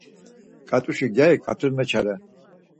Ǩat̆uşi gyari ǩat̆us meçare.